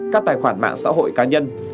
các tài khoản mạng xã hội cá nhân